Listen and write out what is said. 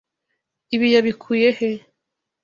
Ibi yabikuye he?